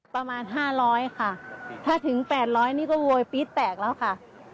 ประมาณ๕๐๐ค่ะถ้าถึง๘๐๐นี่ก็โวยปี๊ดแตกแล้วค่ะ